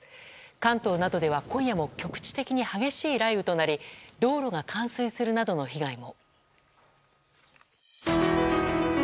関東などでは今夜も局地的に激しい雷雨となり道路が冠水するなどの被害も。